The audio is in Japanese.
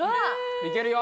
いけるよ。